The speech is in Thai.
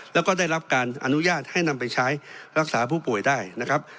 แล้วก็ได้รับการอนุญาตให้นำไปใช้รักษาผู้ป่วยได้นะครับ